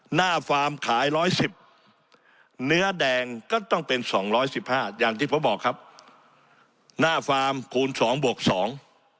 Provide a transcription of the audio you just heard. ฟาร์มขายร้อยสิบเนื้อแดงก็ต้องเป็นสองร้อยสิบห้าอย่างที่ผมบอกครับหน้าฟาร์มคูณสองบวกสอง